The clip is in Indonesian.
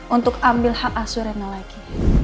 untuk ambil hak asurena lagi